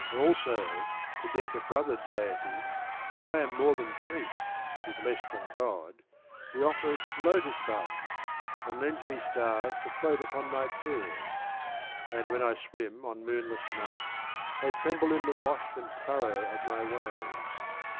Also, to deck a brother deity (For I am more than priest if less than God), He offers lotus buds, and lends me stars To float upon my pool ; and when I swim On moonless nights they tremble in the wash And furrow of my wave.